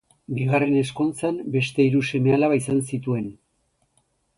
Bigarren ezkontzan beste hiru seme-alaba izan zituen.